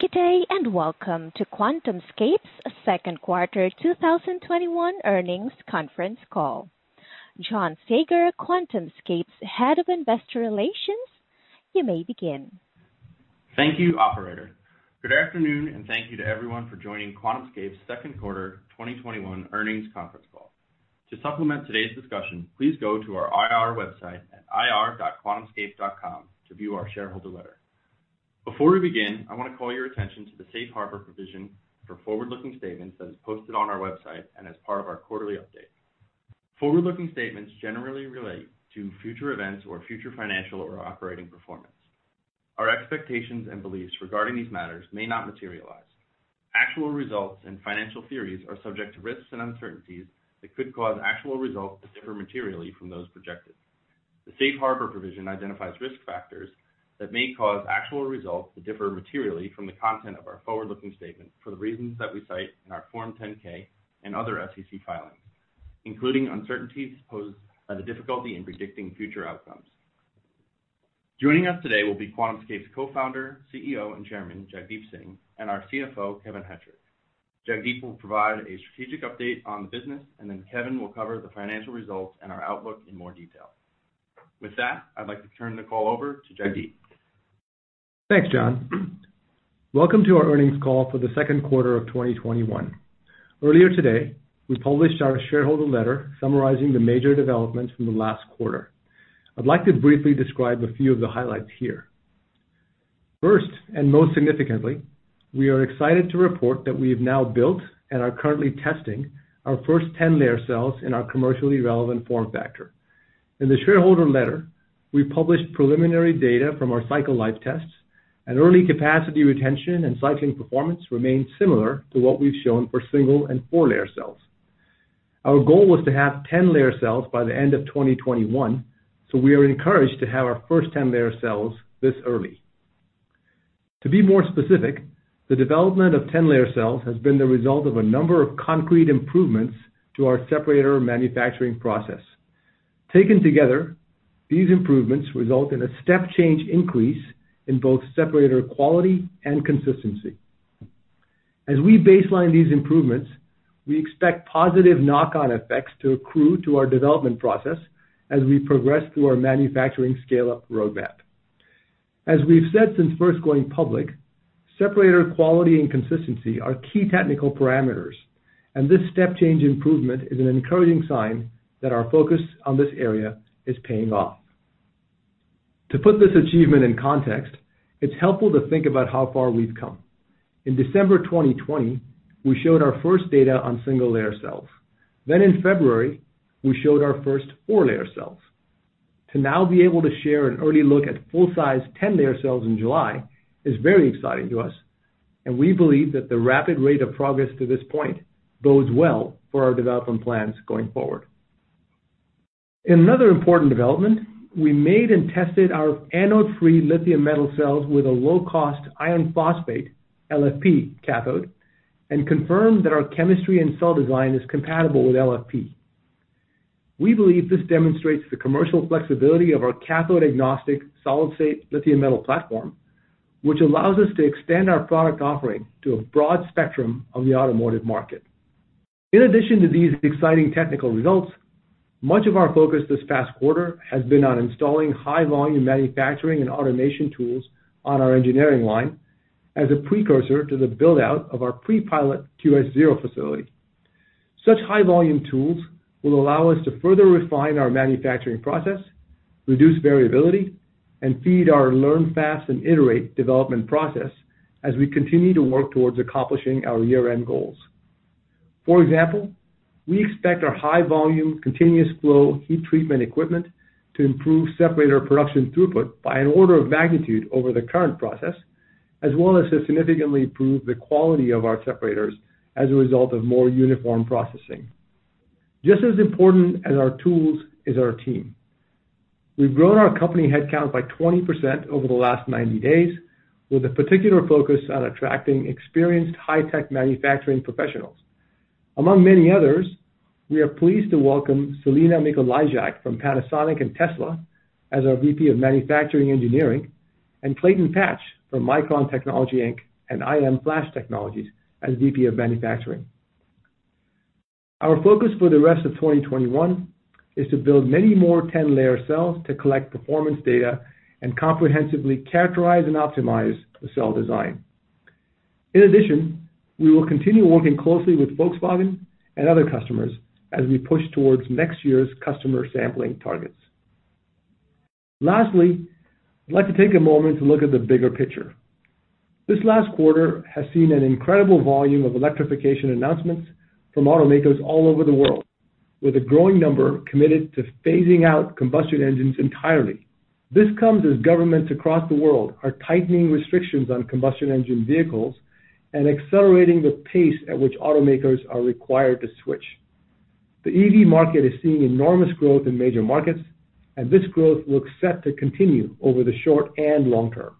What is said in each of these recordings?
Good day, and welcome to QuantumScape's second quarter 2021 earnings conference call. John Saager, QuantumScape's Head of Investor Relations, you may begin. Thank you, operator. Good afternoon, and thank you to everyone for joining QuantumScape's second quarter 2021 earnings conference call. To supplement today's discussion, please go to our IR website at ir.quantumscape.com to view our shareholder letter. Before we begin, I want to call your attention to the safe harbor provision for forward-looking statements that is posted on our website and as part of our quarterly update. Forward-looking statements generally relate to future events or future financial or operating performance. Our expectations and beliefs regarding these matters may not materialize. Actual results and financial theories are subject to risks and uncertainties that could cause actual results to differ materially from those projected. The safe harbor provision identifies risk factors that may cause actual results to differ materially from the content of our forward-looking statement for the reasons that we cite in our Form 10-K and other SEC filings, including uncertainties posed by the difficulty in predicting future outcomes. Joining us today will be QuantumScape's Co-founder, CEO, and Chairman, Jagdeep Singh, and our CFO, Kevin Hettrich. Jagdeep will provide a strategic update on the business, and then Kevin will cover the financial results and our outlook in more detail. With that, I'd like to turn the call over to Jagdeep. Thanks, John. Welcome to our earnings call for the second quarter of 2021. Earlier today, we published our shareholder letter summarizing the major developments from the last quarter. I'd like to briefly describe a few of the highlights here. First, and most significantly, we are excited to report that we have now built and are currently testing our first 10-layer cells in our commercially relevant form factor. In the shareholder letter, we published preliminary data from our cycle life tests and early capacity retention and cycling performance remain similar to what we've shown for single and four-layer cells. Our goal was to have 10-layer cells by the end of 2021, so we are encouraged to have our first 10-layer cells this early. To be more specific, the development of 10-layer cells has been the result of a number of concrete improvements to our separator manufacturing process. Taken together, these improvements result in a step change increase in both separator quality and consistency. As we baseline these improvements, we expect positive knock-on effects to accrue to our development process as we progress through our manufacturing scale-up roadmap. As we've said since first going public, separator quality and consistency are key technical parameters, and this step change improvement is an encouraging sign that our focus on this area is paying off. To put this achievement in context, it's helpful to think about how far we've come. In December 2020, we showed our first data on single layer cells. In February, we showed our first four-layer cells. To now be able to share an early look at full-size 10-layer cells in July is very exciting to us, and we believe that the rapid rate of progress to this point bodes well for our development plans going forward. In another important development, we made and tested our anode-free lithium metal cells with a low-cost iron phosphate, LFP cathode, and confirmed that our chemistry and cell design is compatible with LFP. We believe this demonstrates the commercial flexibility of our cathode-agnostic solid-state lithium metal platform, which allows us to extend our product offering to a broad spectrum of the automotive market. In addition to these exciting technical results, much of our focus this past quarter has been on installing high-volume manufacturing and automation tools on our engineering line as a precursor to the build-out of our pre-pilot QS-0 facility. Such high-volume tools will allow us to further refine our manufacturing process, reduce variability, and feed our learn fast and iterate development process as we continue to work towards accomplishing our year-end goals. For example, we expect our high-volume, continuous flow heat treatment equipment to improve separator production throughput by an order of magnitude over the current process, as well as to significantly improve the quality of our separators as a result of more uniform processing. Just as important as our tools is our team. We've grown our company headcount by 20% over the last 90 days with a particular focus on attracting experienced high-tech manufacturing professionals. Among many others, we are pleased to welcome Celina Mikolajczak from Panasonic and Tesla as our VP of Manufacturing Engineering, and Clayton Patch from Micron Technology, Inc. and IM Flash Technologies as VP of Manufacturing. Our focus for the rest of 2021 is to build many more 10-layer cells to collect performance data and comprehensively characterize and optimize the cell design. In addition, we will continue working closely with Volkswagen and other customers as we push towards next year's customer sampling targets. Lastly, I'd like to take a moment to look at the bigger picture. This last quarter has seen an incredible volume of electrification announcements from automakers all over the world, with a growing number committed to phasing out combustion engines entirely. This comes as governments across the world are tightening restrictions on combustion engine vehicles and accelerating the pace at which automakers are required to switch. The EV market is seeing enormous growth in major markets, this growth looks set to continue over the short and long term.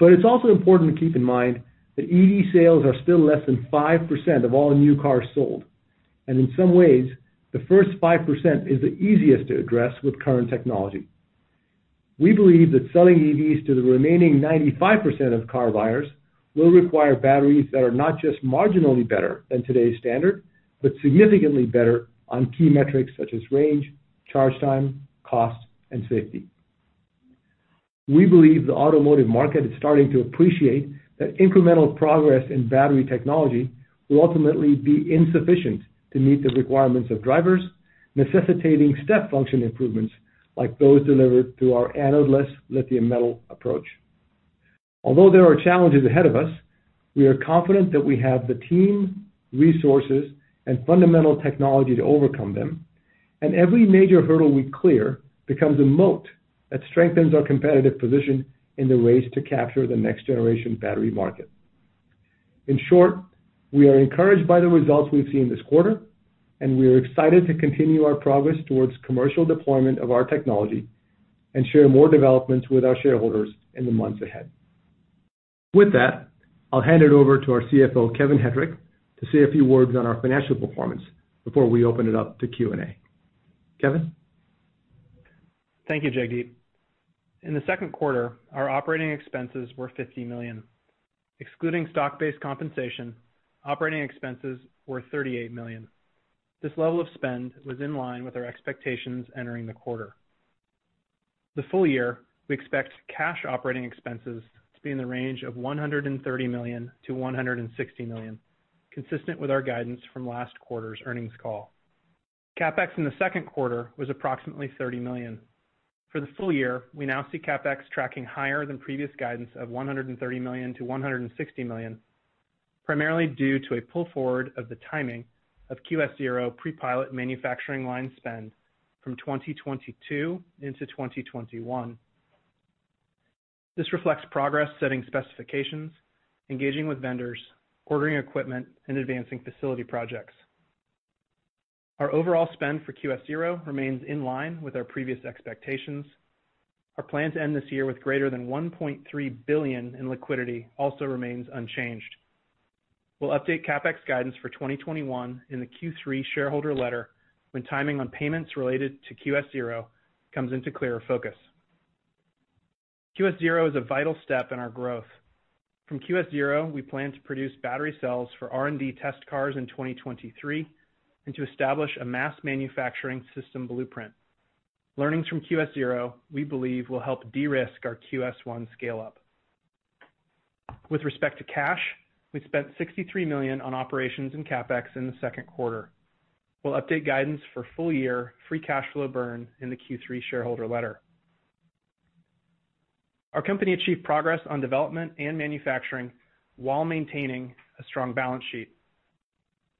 It's also important to keep in mind that EV sales are still less than 5% of all new cars sold. In some ways, the first 5% is the easiest to address with current technology. We believe that selling EVs to the remaining 95% of car buyers will require batteries that are not just marginally better than today's standard, but significantly better on key metrics such as range, charge time, cost, and safety. We believe the automotive market is starting to appreciate that incremental progress in battery technology will ultimately be insufficient to meet the requirements of drivers, necessitating step function improvements like those delivered through our anode-less lithium metal approach. Although there are challenges ahead of us, we are confident that we have the team, resources, and fundamental technology to overcome them, and every major hurdle we clear becomes a moat that strengthens our competitive position in the race to capture the next-generation battery market. In short, we are encouraged by the results we've seen this quarter, and we are excited to continue our progress towards commercial deployment of our technology and share more developments with our shareholders in the months ahead. With that, I'll hand it over to our CFO, Kevin Hettrich, to say a few words on our financial performance before we open it up to Q&A. Kevin? Thank you, Jagdeep. In the second quarter, our operating expenses were $50 million. Excluding stock-based compensation, operating expenses were $38 million. This level of spend was in line with our expectations entering the quarter. The full year, we expect cash operating expenses to be in the range of $130 million-$160 million, consistent with our guidance from last quarter's earnings call. CapEx in the second quarter was approximately $30 million. For the full year, we now see CapEx tracking higher than previous guidance of $130 million-$160 million, primarily due to a pull forward of the timing of QS-0 pre-pilot manufacturing line spend from 2022 into 2021. This reflects progress setting specifications, engaging with vendors, ordering equipment, and advancing facility projects. Our overall spend for QS-0 remains in line with our previous expectations. Our plan to end this year with greater than $1.3 billion in liquidity also remains unchanged. We'll update CapEx guidance for 2021 in the Q3 shareholder letter when timing on payments related to QS-0 comes into clearer focus. QS-0 is a vital step in our growth. From QS-0, we plan to produce battery cells for R&D test cars in 2023 and to establish a mass manufacturing system blueprint. Learnings from QS-0, we believe, will help de-risk our QS-1 scale-up. With respect to cash, we spent $63 million on operations and CapEx in the second quarter. We'll update guidance for full year free cash flow burn in the Q3 shareholder letter. Our company achieved progress on development and manufacturing while maintaining a strong balance sheet.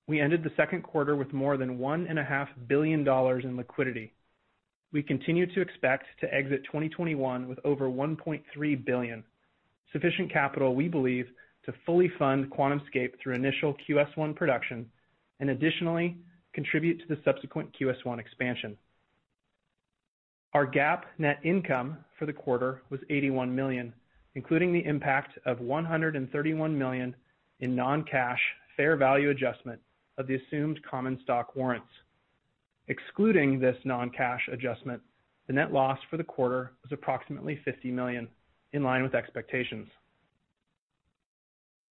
We ended the second quarter with more than $1.5 billion in liquidity. We continue to expect to exit 2021 with over $1.3 billion, sufficient capital, we believe, to fully fund QuantumScape through initial QS-1 production, and additionally contribute to the subsequent QS-1 expansion. Our GAAP net income for the quarter was $81 million, including the impact of $131 million in non-cash fair value adjustment of the assumed common stock warrants. Excluding this non-cash adjustment, the net loss for the quarter was approximately $50 million, in line with expectations.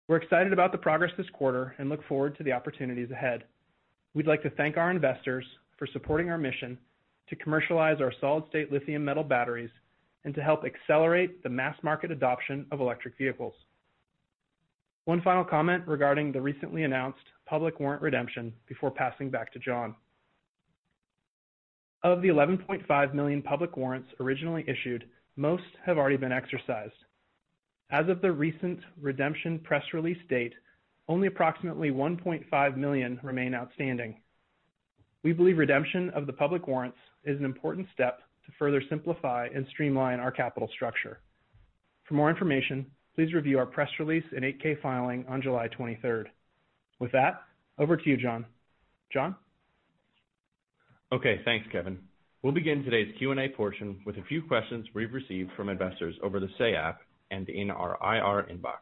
We're excited about the progress this quarter and look forward to the opportunities ahead. We'd like to thank our investors for supporting our mission to commercialize our solid-state lithium-metal batteries and to help accelerate the mass market adoption of electric vehicles. One final comment regarding the recently announced public warrant redemption before passing back to John. Of the 11.5 million public warrants originally issued, most have already been exercised. As of the recent redemption press release date, only approximately 1.5 million remain outstanding. We believe redemption of the public warrants is an important step to further simplify and streamline our capital structure. For more information, please review our press release and 8-K filing on July 23rd. With that, over to you, John. John? Okay, thanks, Kevin. We'll begin today's Q&A portion with a few questions we've received from investors over the Say app and in our IR inbox.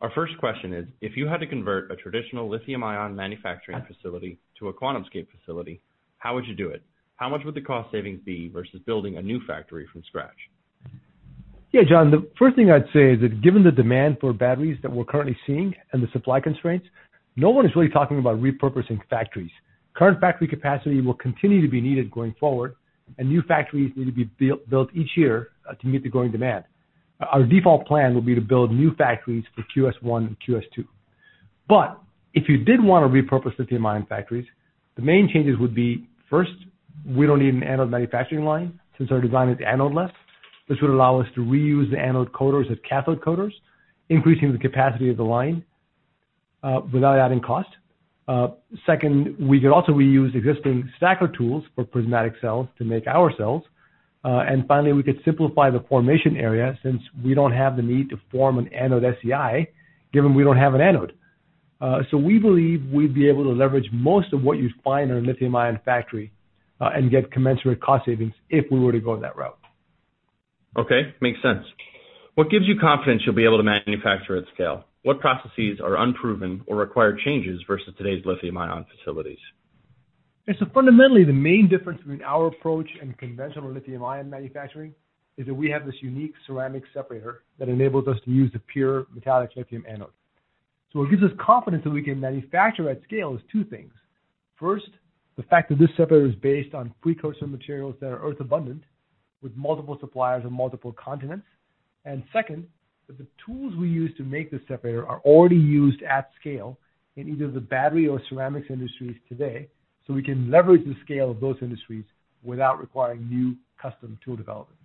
Our first question is: If you had to convert a traditional lithium-ion manufacturing facility to a QuantumScape facility, how would you do it? How much would the cost savings be versus building a new factory from scratch? Yeah, John. The first thing I'd say is that given the demand for batteries that we're currently seeing and the supply constraints, no one is really talking about repurposing factories. Current factory capacity will continue to be needed going forward, and new factories need to be built each year to meet the growing demand. Our default plan will be to build new factories for QS-1 and QS-2. But if you did want to repurpose lithium-ion factories, the main changes would be, first, we don't need an anode manufacturing line since our design is anode-less. This would allow us to reuse the anode coaters as cathode coaters, increasing the capacity of the line, without adding cost. Second, we could also reuse existing stacker tools for prismatic cells to make our cells. Finally, we could simplify the formation area since we don't have the need to form an anode SEI, given we don't have an anode. We believe we'd be able to leverage most of what you'd find in a lithium-ion factory, and get commensurate cost savings if we were to go that route. Okay, makes sense. What gives you confidence you'll be able to manufacture at scale? What processes are unproven or require changes versus today's lithium-ion facilities? Fundamentally, the main difference between our approach and conventional lithium-ion manufacturing is that we have this unique ceramic separator that enables us to use a pure metallic lithium anode. What gives us confidence that we can manufacture at scale is two things. First, the fact that this separator is based on precursor materials that are earth abundant with multiple suppliers on multiple continents. Second, that the tools we use to make the separator are already used at scale in either the battery or ceramics industries today, so we can leverage the scale of those industries without requiring new custom tool development.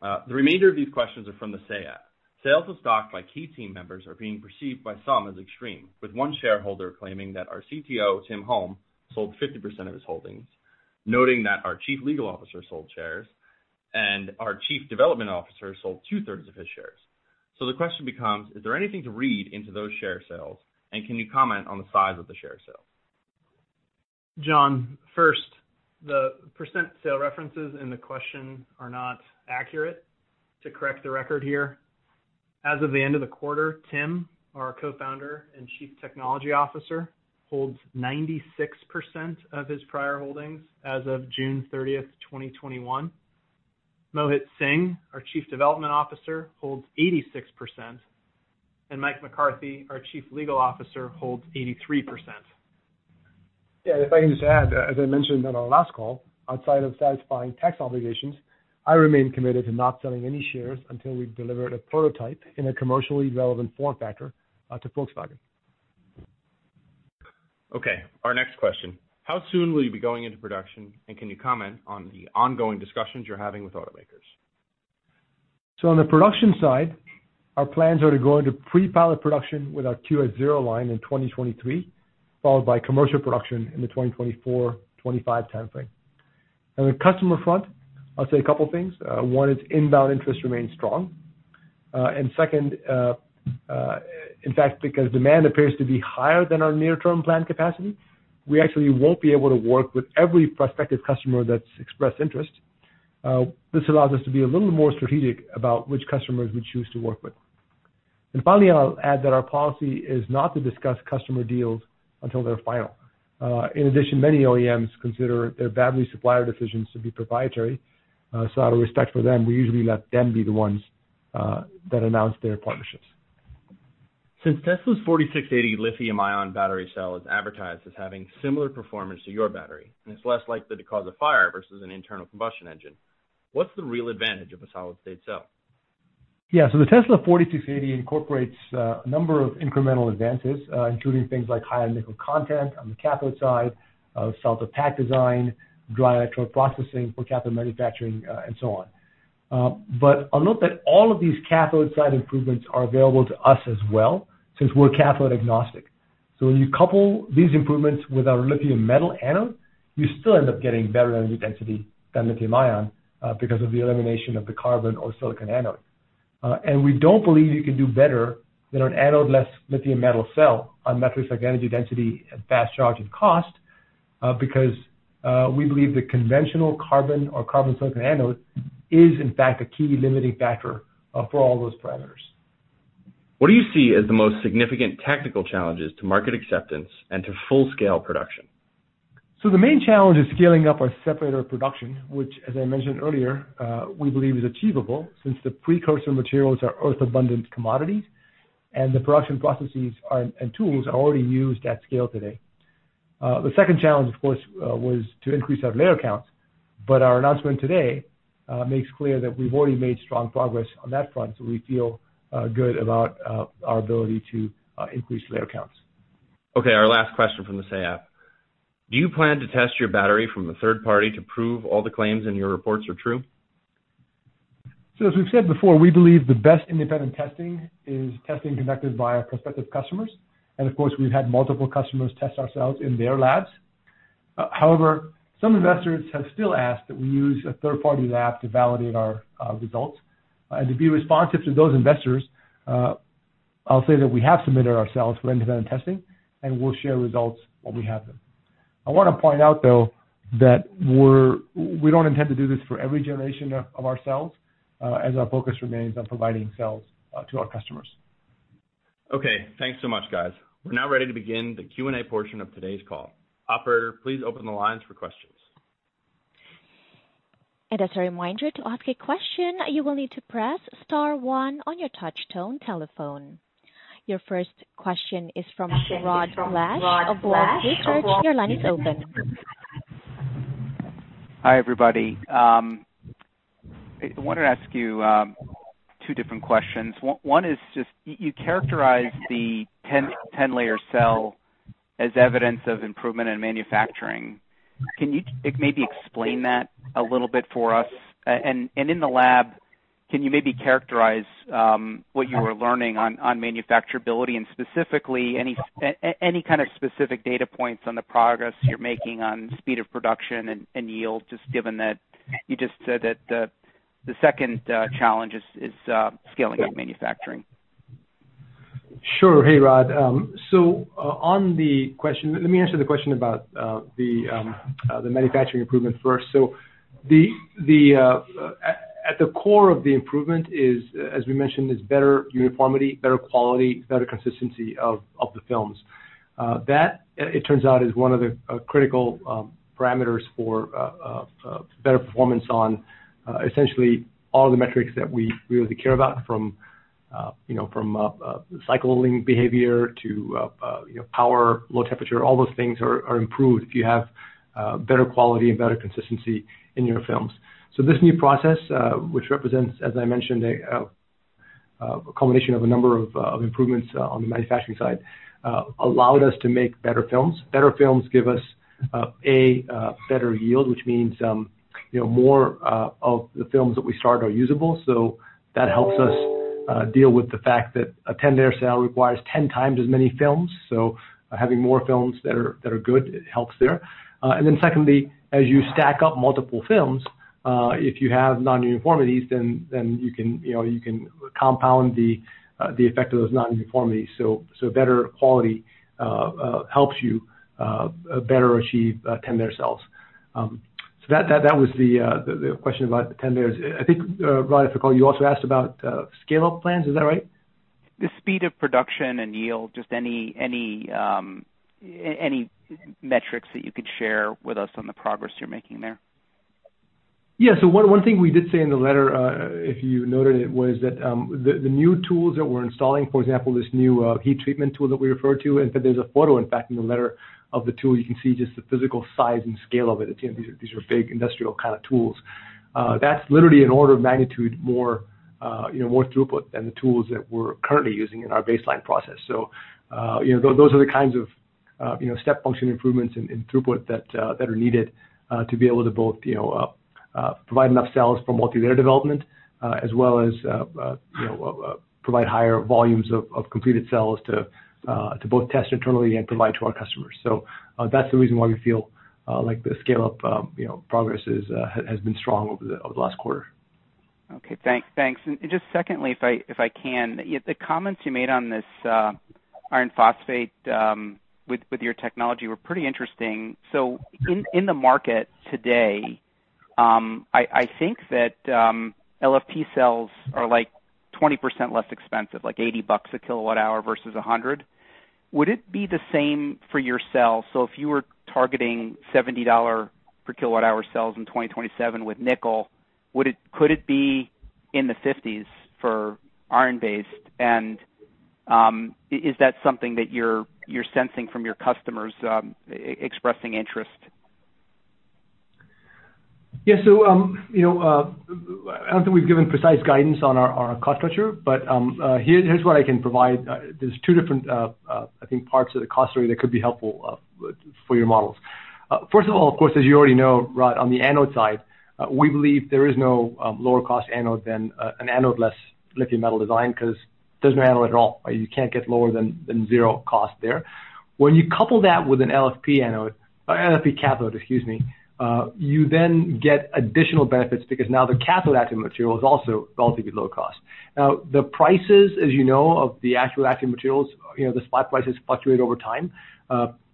The remainder of these questions are from the Say app. Sales of stock by key team members are being perceived by some as extreme, with one shareholder claiming that our CTO, Tim Holme, sold 50% of his holdings, noting that our Chief Legal Officer sold shares, and our Chief Development Officer sold two-thirds of his shares. The question becomes, is there anything to read into those share sales, and can you comment on the size of the share sales? John, first, the percent sale references in the question are not accurate. To correct the record here, as of the end of the quarter, Tim, our Co-founder and Chief Technology Officer, holds 96% of his prior holdings as of June 30th, 2021. Mohit Singh, our Chief Development Officer, holds 86%, and Michael McCarthy, our Chief Legal Officer, holds 83%. Yeah, if I can just add, as I mentioned on our last call, outside of satisfying tax obligations, I remain committed to not selling any shares until we've delivered a prototype in a commercially relevant form factor to Volkswagen. Okay, our next question, how soon will you be going into production, and can you comment on the ongoing discussions you're having with automakers? On the production side, our plans are to go into pre-pilot production with our QS-0 line in 2023, followed by commercial production in the 2024-2025 timeframe. On the customer front, I'll say a couple things. One is inbound interest remains strong. Second, in fact, because demand appears to be higher than our near-term plan capacity, we actually won't be able to work with every prospective customer that's expressed interest. This allows us to be a little more strategic about which customers we choose to work with. Finally, I'll add that our policy is not to discuss customer deals until they're final. In addition, many OEMs consider their battery supplier decisions to be proprietary, so out of respect for them, we usually let them be the ones that announce their partnerships. Since Tesla's 4680 lithium-ion battery cell is advertised as having similar performance to your battery and is less likely to cause a fire versus an internal combustion engine, what's the real advantage of a solid-state cell? Yeah. The Tesla 4680 incorporates a number of incremental advances, including things like higher nickel content on the cathode side, cell to pack design, dry electrode processing for cathode manufacturing, and so on. I'll note that all of these cathode side improvements are available to us as well, since we're cathode agnostic. When you couple these improvements with our lithium metal anode, you still end up getting better energy density than lithium ion because of the elimination of the carbon or silicon anode. We don't believe you can do better than an anode-less lithium metal cell on metrics like energy density at fast charge and cost, because we believe the conventional carbon or carbon silicon anode is in fact a key limiting factor for all those parameters. What do you see as the most significant technical challenges to market acceptance and to full-scale production? The main challenge is scaling up our separator production, which as I mentioned earlier, we believe is achievable since the precursor materials are earth-abundant commodities and the production processes and tools are already used at scale today. The second challenge, of course, was to increase our layer counts, but our announcement today makes clear that we've already made strong progress on that front, so we feel good about our ability to increase layer counts. Okay, our last question from the Say app. Do you plan to test your battery from a third party to prove all the claims in your reports are true? As we've said before, we believe the best independent testing is testing conducted by our prospective customers, and of course, we've had multiple customers test our cells in their labs. However, some investors have still asked that we use a third-party lab to validate our results. To be responsive to those investors, I'll say that we have submitted our cells for independent testing, and we'll share results when we have them. I want to point out, though, that we don't intend to do this for every generation of our cells, as our focus remains on providing cells to our customers. Thanks so much, guys. We're now ready to begin the Q&A portion of today's call. Operator, please open the lines for questions. As a reminder, to ask a question, you will need to press star one on your touch tone telephone. Your first question is from Rod Lache of Wolfe Research. Your line is open. Hi, everybody. I wanted to ask you two different questions. One is just, you characterize the 10-layer cell as evidence of improvement in manufacturing. Can you maybe explain that a little bit for us? In the lab, can you maybe characterize what you are learning on manufacturability and specifically any kind of specific data points on the progress you're making on speed of production and yield, just given that you just said that the second challenge is scaling up manufacturing? Sure. Hey, Rod. On the question, let me answer the question about the manufacturing improvement first. At the core of the improvement is, as we mentioned, is better uniformity, better quality, better consistency of the films. That, it turns out, is one of the critical parameters for better performance on essentially all the metrics that we really care about from cycle life behavior to power, low temperature, all those things are improved if you have better quality and better consistency in your films. This new process, which represents, as I mentioned, a combination of a number of improvements on the manufacturing side allowed us to make better films. Better films give us, A, better yield, which means more of the films that we start are usable. That helps us deal with the fact that a 10-layer cell requires 10 times as many films. Having more films that are good helps there. Secondly, as you stack up multiple films, if you have non-uniformities, then you can compound the effect of those non-uniformities. Better quality helps you better achieve 10-layer cells. That was the question about the 10 layers. I think, Rod, if I recall, you also asked about scale-up plans, is that right? The speed of production and yield, just any metrics that you could share with us on the progress you're making there? Yeah. One thing we did say in the letter, if you noted it, was that the new tools that we're installing, for example, this new heat treatment tool that we referred to, in fact, there's a photo, in fact, in the letter of the tool, you can see just the physical size and scale of it. These are big industrial kind of tools. That's literally an order of magnitude more throughput than the tools that we're currently using in our baseline process. Those are the kinds of step function improvements in throughput that are needed to be able to both provide enough cells for multi-layer development, as well as provide higher volumes of completed cells to both test internally and provide to our customers. That's the reason why we feel like the scale-up progress has been strong over the last quarter. Okay. Thanks. Just secondly, if I can, the comments you made on this iron phosphate with your technology were pretty interesting. In the market today, I think that LFP cells are 20% less expensive, like $80 a kilowatt hour versus $100. Would it be the same for your cell? If you were targeting $70 per kilowatt hour cells in 2027 with nickel, could it be in the $50s for iron-based? Is that something that you're sensing from your customers expressing interest? I don't think we've given precise guidance on our cost structure, but here's what I can provide. There's two different parts of the cost story that could be helpful for your models. First of all, of course, as you already know, Rod, on the anode side, we believe there is no lower cost anode than an anode-less lithium metal design because there's no anode at all. You can't get lower than zero cost there. When you couple that with an LFP cathode, you then get additional benefits because now the cathode active material is also relatively low cost. The prices, as you know, of the actual active materials, the spot prices fluctuate over time.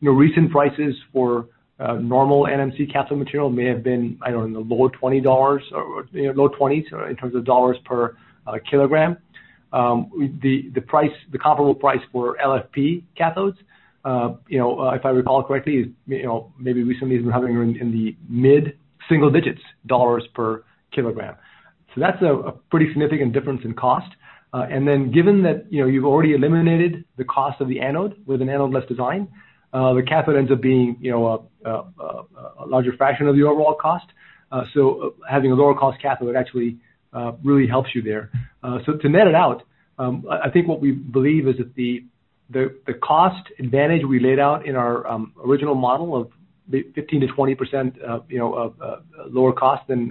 Recent prices for normal NMC cathode material may have been, I don't know, in the low $20s, in terms of dollars per kilogram. The comparable price for LFP cathodes, if I recall correctly, recently has been hovering in the mid-single digits dollars per kilogram. That's a pretty significant difference in cost. Given that you've already eliminated the cost of the anode with an anode-less design, the cathode ends up being a larger fraction of the overall cost. Having a lower cost cathode actually really helps you there. To net it out, I think what we believe is that the cost advantage we laid out in our original model of 15%-20% lower cost than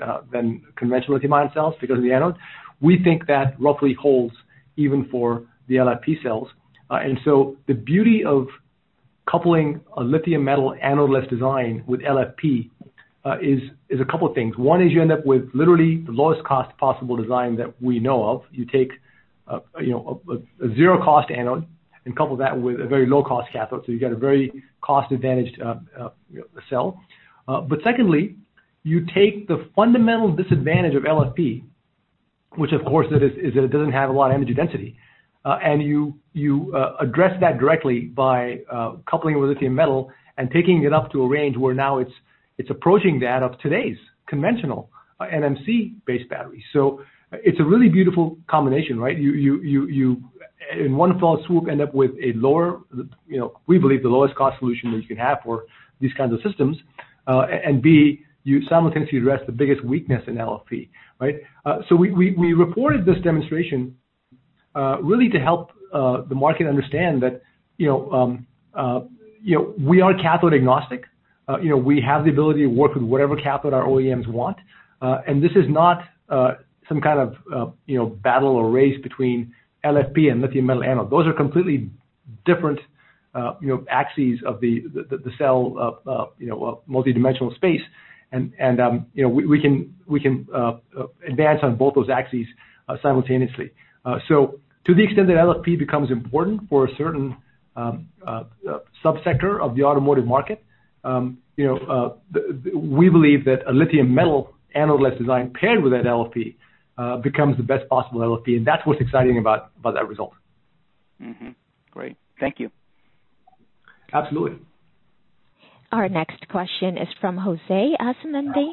conventional lithium-ion cells because of the anode, we think that roughly holds even for the LFP cells. The beauty of coupling a lithium metal anode-less design with LFP is a couple things. One is you end up with literally the lowest cost possible design that we know of. You take a zero cost anode and couple that with a very low-cost cathode, so you get a very cost-advantaged cell. Secondly, you take the fundamental disadvantage of LFP, which of course is that it doesn't have a lot of energy density. You address that directly by coupling with lithium metal and taking it up to a range where now it's approaching that of today's conventional NMC-based battery. It's a really beautiful combination, right? In one fell swoop, end up with, we believe, the lowest cost solution that you can have for these kinds of systems. B, you simultaneously address the biggest weakness in LFP, right? We reported this demonstration really to help the market understand that we are cathode agnostic. We have the ability to work with whatever cathode our OEMs want. This is not some kind of battle or race between LFP and lithium metal anode. Those are completely different axes of the cell, multi-dimensional space. We can advance on both those axes simultaneously. To the extent that LFP becomes important for a certain sub-sector of the automotive market, we believe that a lithium metal anode-less design paired with that LFP becomes the best possible LFP, and that's what's exciting about that result. Great. Thank you. Absolutely. Our next question is from José Asumendi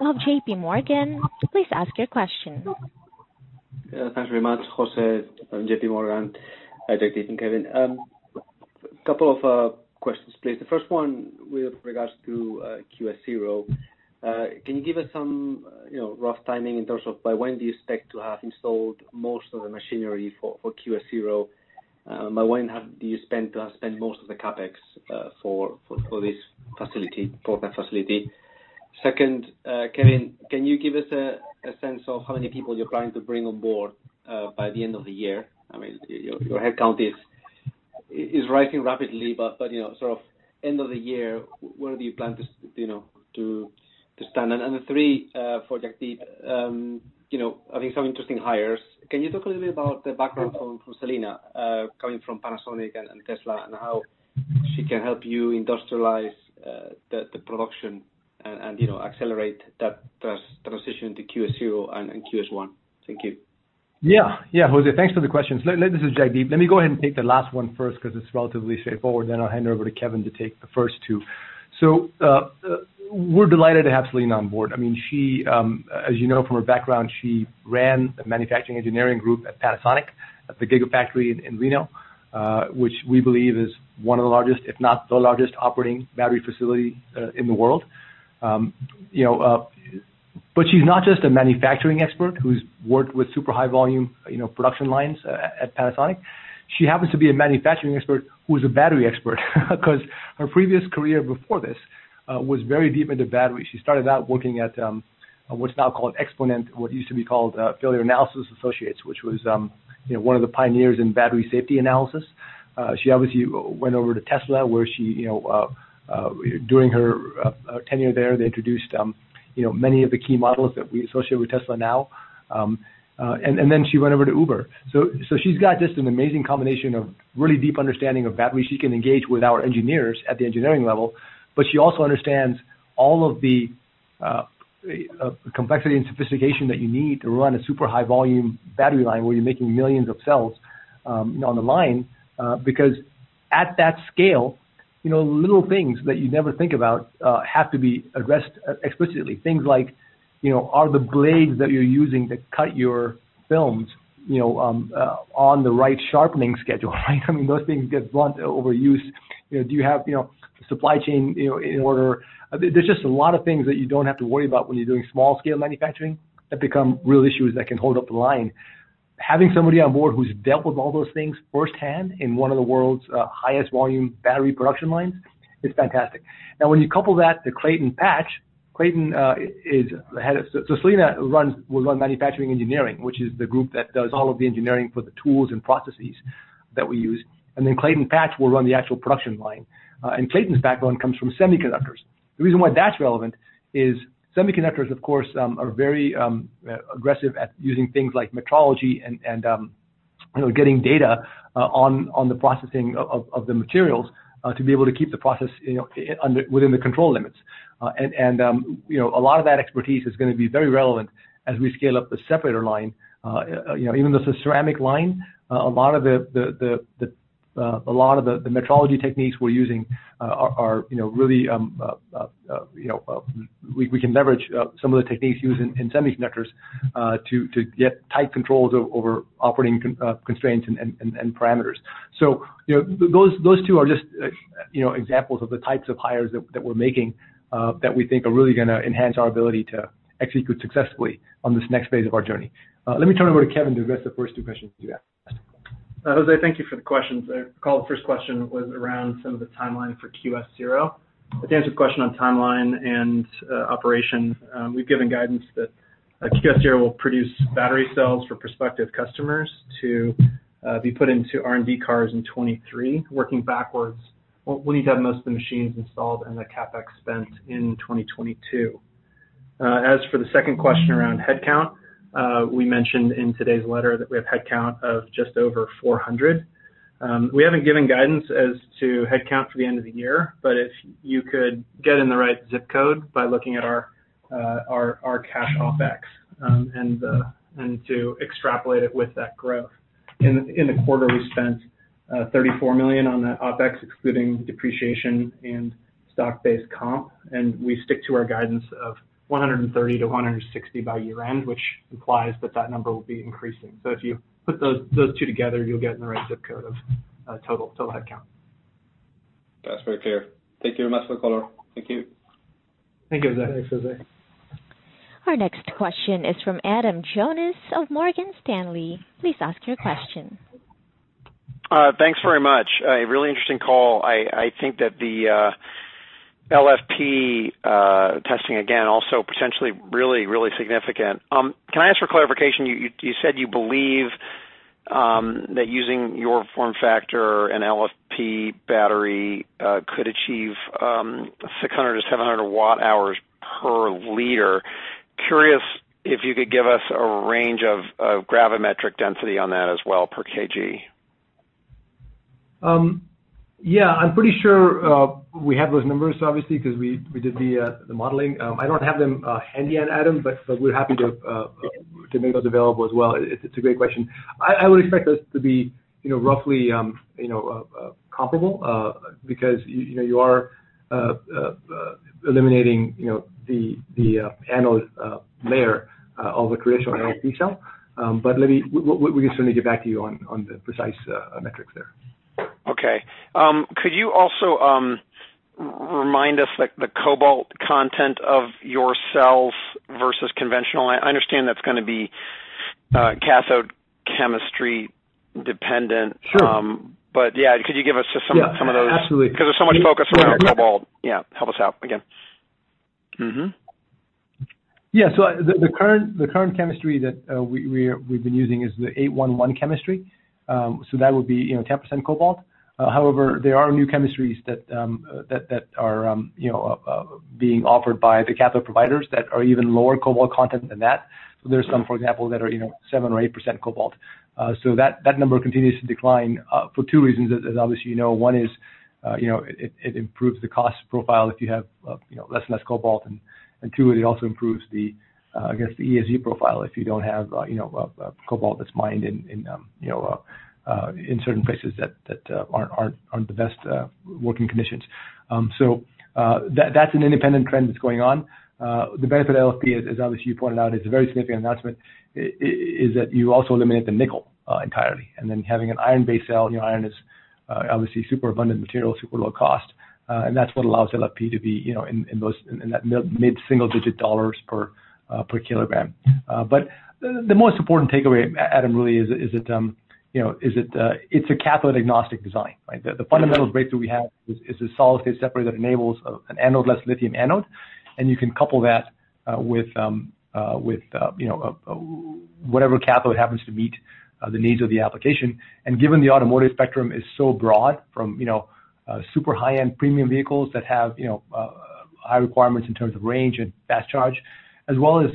of JPMorgan. Please ask your question. Thanks very much. José from JPMorgan. Hi, Jagdeep and Kevin. Couple of questions, please. The first one with regards to QS-0. Can you give us some rough timing in terms of by when do you expect to have installed most of the machinery for QS-0? By when do you expect to have spent most of the CapEx for that facility? Second, Kevin, can you give us a sense of how many people you're planning to bring on board by the end of the year? Your head count is rising rapidly, but sort of end of the year, where do you plan to stand? And three, for Jagdeep, having some interesting hires, can you talk a little bit about the background from Celina coming from Panasonic and Tesla, and how she can help you industrialize the production and accelerate that transition to QS-0 and QS-1? Thank you. Yeah. José, thanks for the questions. This is Jagdeep. Let me go ahead and take the last one first because it's relatively straightforward. I'll hand it over to Kevin to take the first two. We're delighted to have Celina on board. As you know from her background, she ran the manufacturing engineering group at Panasonic at the Gigafactory in Reno, which we believe is one of the largest, if not the largest operating battery facility in the world. She's not just a manufacturing expert who's worked with super high volume production lines at Panasonic. She happens to be a manufacturing expert who's a battery expert, because her previous career before this was very deep into batteries. She started out working at what's now called Exponent, what used to be called Failure Analysis Associates, which was one of the pioneers in battery safety analysis. She obviously went over to Tesla, where during her tenure there, they introduced many of the key models that we associate with Tesla now. She went over to Uber. She's got just an amazing combination of really deep understanding of batteries. She can engage with our engineers at the engineering level, but she also understands all of the complexity and sophistication that you need to run a super high volume battery line where you're making millions of cells on the line. At that scale, little things that you never think about have to be addressed explicitly. Things like, are the blades that you're using to cut your films on the right sharpening schedule? Those things get blunt over use. Do you have supply chain in order? There's just a lot of things that you don't have to worry about when you're doing small scale manufacturing that become real issues that can hold up the line. Having somebody on board who's dealt with all those things firsthand in one of the world's highest volume battery production lines is fantastic. Now, when you couple that to Clayton Patch, Celina will run manufacturing engineering, which is the group that does all of the engineering for the tools and processes that we use, and then Clayton Patch will run the actual production line. Clayton's background comes from semiconductors. The reason why that's relevant is semiconductors, of course, are very aggressive at using things like metrology and getting data on the processing of the materials to be able to keep the process within the control limits. A lot of that expertise is going to be very relevant as we scale up the separator line. Even though it's a ceramic line, a lot of the metrology techniques we're using, we can leverage some of the techniques used in semiconductors to get tight controls over operating constraints and parameters. Those two are just examples of the types of hires that we're making that we think are really going to enhance our ability to execute successfully on this next phase of our journey. Let me turn it over to Kevin to address the first two questions you asked. José, thank you for the questions. Recall the first question was around some of the timeline for QS-0. To answer the question on timeline and operation, we've given guidance that QS-0 will produce battery cells for prospective customers to be put into R&D cars in 2023. Working backwards, we'll need to have most of the machines installed and the CapEx spent in 2022. As for the second question around headcount, we mentioned in today's letter that we have headcount of just over 400. We haven't given guidance as to headcount for the end of the year, but you could get in the right zip code by looking at our cash OpEx and to extrapolate it with that growth. In the quarter, we spent $34 million on the OpEx, excluding depreciation and stock-based comp, and we stick to our guidance of $130 million-$160 million by year-end, which implies that that number will be increasing. If you put those two together, you'll get in the right zip code of total headcount. That's very clear. Thank you very much for the color. Thank you. Thank you, José. Thanks, José. Our next question is from Adam Jonas of Morgan Stanley. Please ask your question. Thanks very much. A really interesting call. I think that the LFP testing again also potentially really significant. Can I ask for clarification? You said you believe that using your form factor and LFP battery could achieve 600 Wh/L-700 Wh/L. Curious if you could give us a range of gravimetric density on that as well per kg? Yeah, I'm pretty sure we had those numbers, obviously, because we did the modeling. I don't have them handy yet, Adam, but we're happy to make those available as well. It's a great question. I would expect those to be roughly comparable, because you are eliminating the anode layer of the traditional LFP cell. We can certainly get back to you on the precise metrics there. Okay. Could you also remind us the cobalt content of your cells versus conventional? I understand that's going to be cathode chemistry dependent. Sure. Yeah, could you give us just some of those? Yeah, absolutely. Because there's so much focus around cobalt. Yeah, help us out again. Yeah. The current chemistry that we've been using is the 8-1-1 chemistry. That would be 10% cobalt. However, there are new chemistries that are being offered by the cathode providers that are even lower cobalt content than that. There are some, for example, that are 7% or 8% cobalt. That number continues to decline for two reasons, as obviously you know. One is it improves the cost profile if you have less and less cobalt. Two, it also improves the, I guess, the ESG profile if you don't have cobalt that's mined in certain places that aren't the best working conditions. That's an independent trend that's going on. The benefit of LFP, as obviously you pointed out, it's a very significant announcement, is that you also eliminate the nickel entirely, and then having an iron-based cell, iron is obviously super abundant material, super low cost. That's what allows LFP to be in that mid-single-digit dollars per kilogram. The most important takeaway, Adam, really is it's a cathode agnostic design, right? The fundamental breakthrough we have is a solid-state separator that enables an anode-less lithium anode. You can couple that with whatever cathode happens to meet the needs of the application. Given the automotive spectrum is so broad from super high-end premium vehicles that have high requirements in terms of range and fast charge, as well as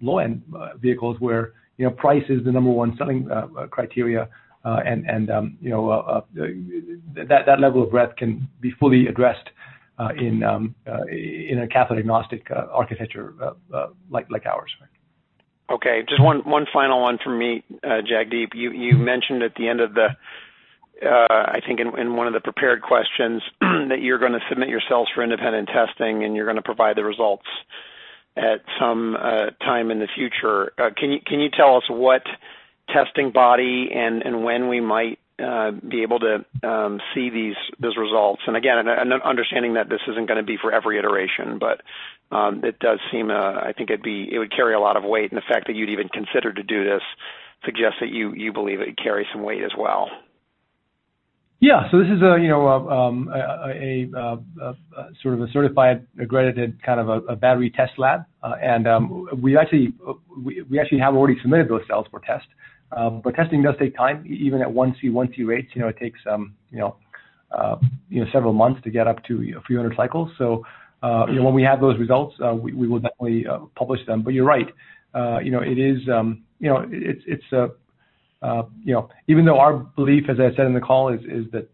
low-end vehicles where price is the number one selling criteria, and that level of breadth can be fully addressed in a cathode agnostic architecture like ours. Okay, just one final one from me, Jagdeep. You mentioned I think in one of the prepared questions that you're going to submit your cells for independent testing, and you're going to provide the results at some time in the future. Can you tell us what testing body and when we might be able to see these results? Again, understanding that this isn't going to be for every iteration, but it does seem, I think it would carry a lot of weight. The fact that you'd even consider to do this suggests that you believe it carries some weight as well. Yeah. This is a sort of a certified accredited kind of a battery test lab. We actually have already submitted those cells for test. Testing does take time, even at 1C rates, it takes several months to get up to a few hundred cycles. When we have those results, we will definitely publish them. You're right. Even though our belief, as I said in the call, is that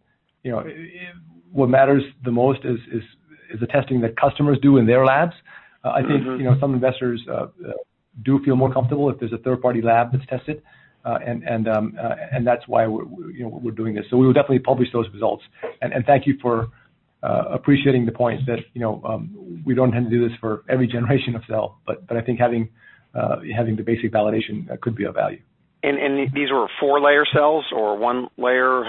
what matters the most is the testing that customers do in their labs. I think some investors do feel more comfortable if there's a third-party lab that's tested, and that's why we're doing this. We will definitely publish those results. Thank you for appreciating the point that we don't intend to do this for every generation of cell. I think having the basic validation could be of value. These were four-layer cells or one layer?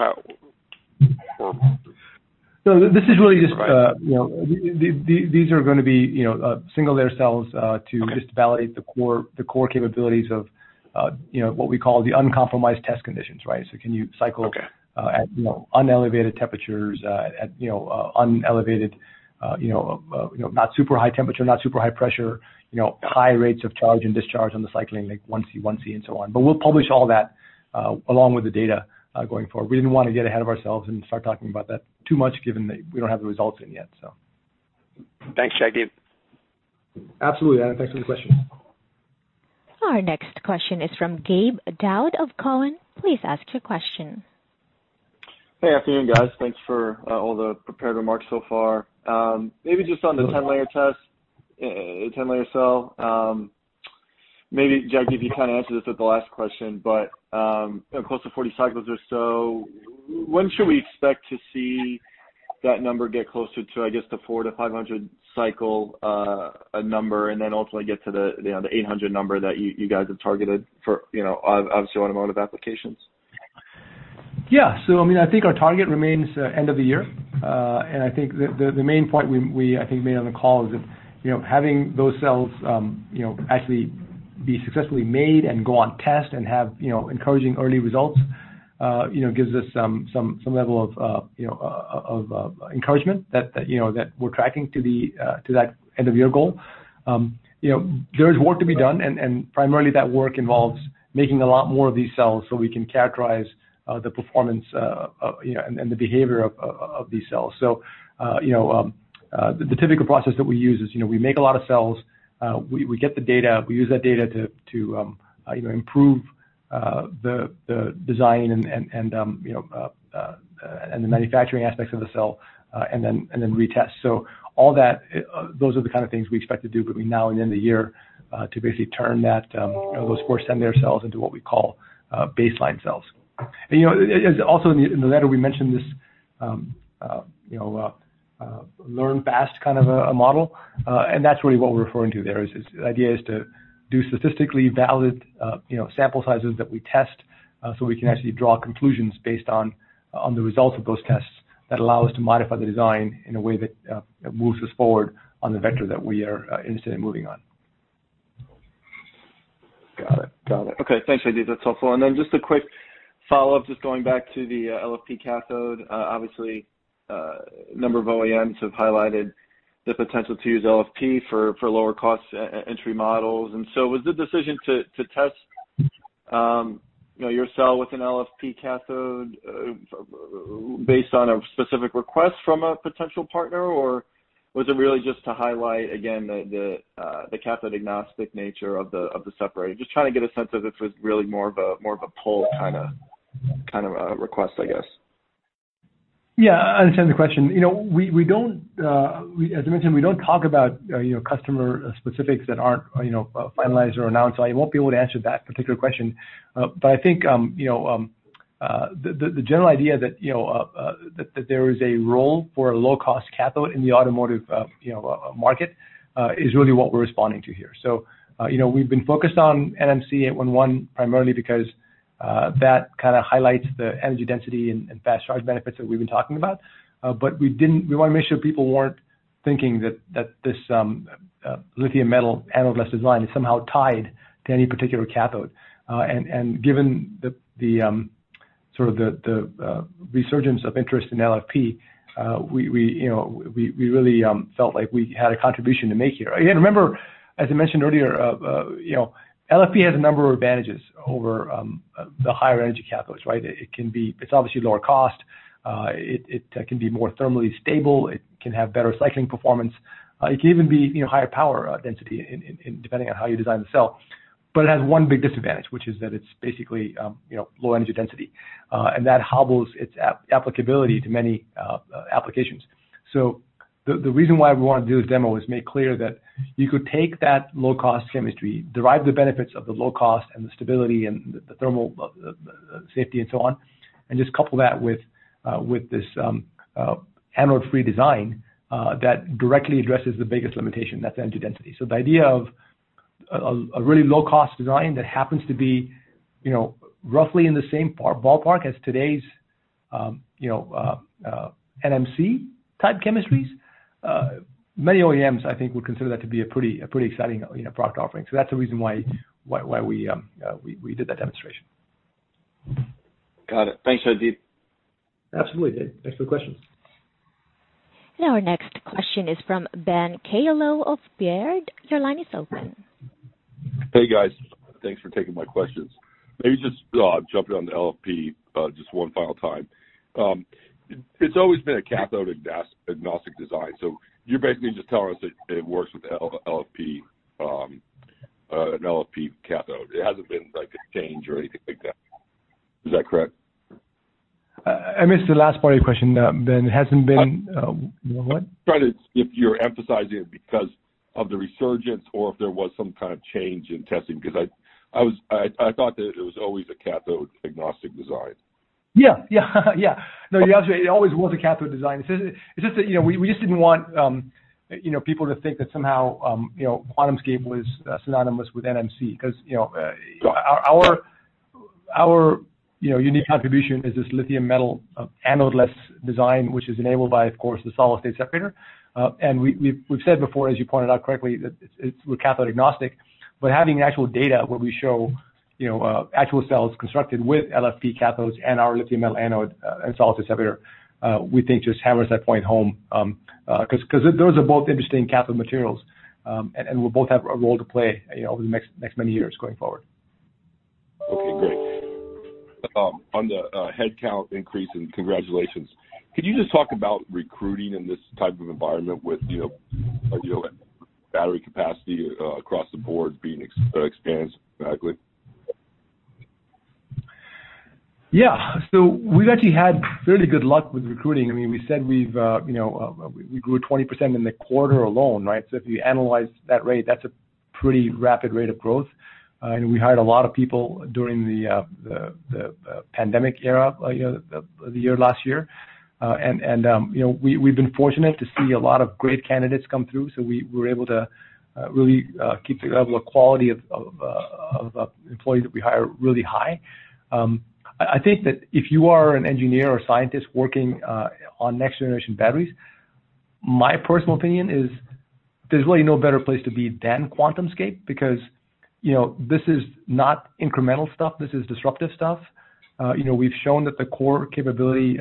No, these are going to be single-layer cells to just validate the core capabilities of what we call the uncompromised test conditions, right? can you cycle at unelevated temperatures, not super high temperature, not super high pressure, high rates of charge and discharge on the cycling, like 1C, and so on. We'll publish all that along with the data going forward. We didn't want to get ahead of ourselves and start talking about that too much given that we don't have the results in yet, so. Thanks, Jagdeep. Absolutely, Adam. Thanks for the question. Our next question is from Gabe Daoud of Cowen. Please ask your question. Hey, afternoon, guys. Thanks for all the prepared remarks so far. Maybe just on the 10-layer test, 10-layer cell. Maybe Jagdeep, you kind of answered this with the last question, but close to 40 cycles or so, when should we expect to see that number get closer to, I guess, the 400-500 cycle number, and then ultimately get to the 800 number that you guys have targeted for obviously automotive applications? Yeah. I think our target remains end of the year. I think the main point we, I think, made on the call is that having those cells actually be successfully made and go on test and have encouraging early results gives us some level of encouragement that we're tracking to that end of year goal. There is work to be done, and primarily that work involves making a lot more of these cells so we can characterize the performance and the behavior of these cells. The typical process that we use is, we make a lot of cells, we get the data, we use that data to either improve the design and the manufacturing aspects of the cell, and then retest. All that, those are the kind of things we expect to do between now and the end of the year, to basically turn that, those 4 cm cells into what we call baseline cells. Also in the letter we mentioned this learn fast kind of a model, and that's really what we're referring to there is, the idea is to do statistically valid sample sizes that we test so we can actually draw conclusions based on the results of those tests that allow us to modify the design in a way that moves us forward on the vector that we are interested in moving on. Got it. Okay, thanks, Jagdeep. That's helpful. Just a quick follow-up, just going back to the LFP cathode. Obviously, a number of OEMs have highlighted the potential to use LFP for lower cost entry models. Was the decision to test your cell with an LFP cathode based on a specific request from a potential partner, or was it really just to highlight again, the cathode agnostic nature of the separator? Just trying to get a sense if this was really more of a pull kind of a request, I guess. Yeah, I understand the question. As I mentioned, we don't talk about customer specifics that aren't finalized or announced, so I won't be able to answer that particular question. I think, the general idea that there is a role for a low-cost cathode in the automotive market is really what we're responding to here. We've been focused on NMC 811 primarily because that kind of highlights the energy density and fast charge benefits that we've been talking about. Given the sort of the resurgence of interest in LFP, we really felt like we had a contribution to make here. Again, remember, as I mentioned earlier, LFP has a number of advantages over the higher energy cathodes, right? It's obviously lower cost, it can be more thermally stable, it can have better cycling performance. It can even be higher power density depending on how you design the cell. It has one big disadvantage, which is that it's basically low energy density, and that hobbles its applicability to many applications. The reason why we wanted to do this demo is make clear that you could take that low-cost chemistry, derive the benefits of the low cost and the stability and the thermal safety and so on, and just couple that with this anode-free design, that directly addresses the biggest limitation, that's energy density. The idea of a really low-cost design that happens to be roughly in the same ballpark as today's NMC type chemistries, many OEMs, I think, would consider that to be a pretty exciting product offering. That's the reason why we did that demonstration. Got it. Thanks, Jagdeep. Absolutely, Gabe. Thanks for the question. Our next question is from Ben Kallo of Baird. Your line is open. Hey, guys. Thanks for taking my questions. Jumping on the LFP, just one final time. It's always been a cathode agnostic design, you're basically just telling us that it works with an LFP cathode. It hasn't been, like, a change or anything like that. Is that correct? I missed the last part of your question, Ben. It hasn't been what? If you're emphasizing it because of the resurgence or if there was some kind of change in testing, because I thought that it was always a cathode agnostic design. You're absolutely right. It always was a cathode design. It's just that we just didn't want people to think that somehow QuantumScape was synonymous with NMC because our unique contribution is this lithium metal anode-less design, which is enabled by, of course, the solid-state separator. We've said before, as you pointed out correctly, that we're cathode agnostic, but having the actual data where we show actual cells constructed with LFP cathodes and our lithium metal anode and solid-state separator, we think just hammers that point home. Those are both interesting cathode materials, and will both have a role to play over the next many years going forward. Okay, great. On the headcount increase and congratulations. Could you just talk about recruiting in this type of environment with battery capacity across the board being experienced radically? Yeah. We've actually had fairly good luck with recruiting. We said we grew 20% in the quarter alone, right? If you annualize that rate, that's a pretty rapid rate of growth. We hired a lot of people during the pandemic era, the year last year. We've been fortunate to see a lot of great candidates come through, so we were able to really keep the level of quality of employees that we hire really high. I think that if you are an engineer or scientist working on next generation batteries. My personal opinion is there's really no better place to be than QuantumScape because this is not incremental stuff, this is disruptive stuff. We've shown that the core capability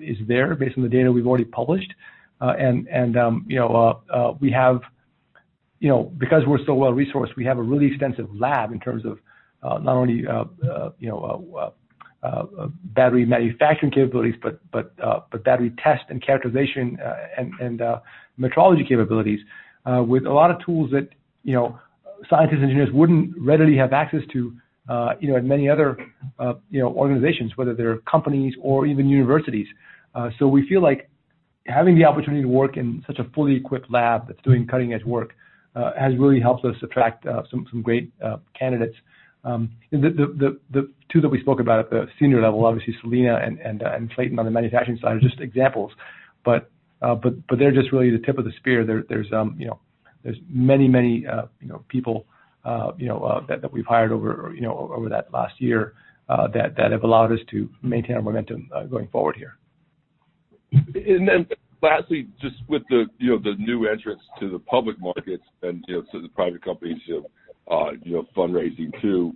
is there based on the data we've already published. Because we're so well-resourced, we have a really extensive lab in terms of not only battery manufacturing capabilities but battery test and characterization and metrology capabilities with a lot of tools that scientists, engineers wouldn't readily have access to at many other organizations, whether they're companies or even universities. We feel like having the opportunity to work in such a fully equipped lab that's doing cutting-edge work has really helped us attract some great candidates. The two that we spoke about at the senior level, obviously Celina and Clayton on the manufacturing side are just examples, but they're just really the tip of the spear. There's many people that we've hired over that last year that have allowed us to maintain our momentum going forward here. Lastly, just with the new entrants to the public markets and to the private companies fundraising too,